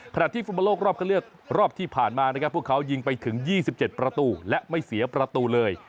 ที่ฟุตบอลโลกรอบคันเลือกรอบที่ผ่านมานะครับพวกเขายิงไปถึง๒๗ประตูและไม่เสียประตูเลย